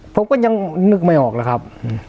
ผมก็ยังนึกไม่ออกแล้วครับ